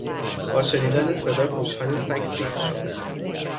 با شنیدن صدا گوشهای سگ سیخ شد.